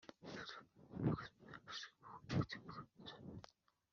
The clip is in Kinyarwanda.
Abagororwa bahawe ibiganiro mu byiciro bitandukanye birimo kubahuriza hamwe